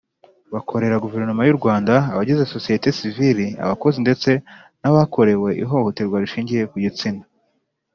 Bakorera guverinoma y u rwanda abagize sosiyete sivili abakozi ndetse n abakorewe ihohoterwa rishingiye ku gitsina